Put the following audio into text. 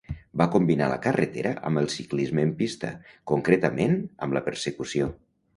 Va combinar la carretera amb el ciclisme en pista, concretament amb la persecució.